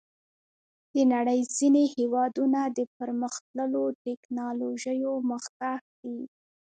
د نړۍ ځینې هېوادونه د پرمختللو ټکنالوژیو مخکښ دي.